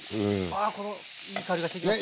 ああいい香りがしてきました。